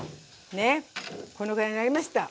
ねこのぐらいになりました。